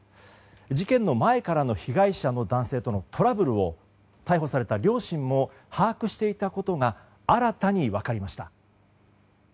事件の前から被害者の男性とのトラブルを逮捕された両親も把握していたことが新たに分かりました。